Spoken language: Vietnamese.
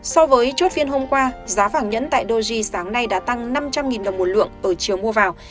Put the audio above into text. so với chốt phiên hôm qua giá vàng nhẫn tại doji sáng nay đã tăng năm trăm linh đồng một lượng ở chiều mua vào